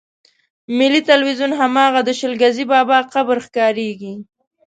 ملي ټلویزیون هماغه د شل ګزي بابا قبر ښکارېږي.